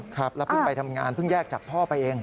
ครับแล้วเพิ่งไปทำงานเพิ่งแยกจากพ่อไปเอง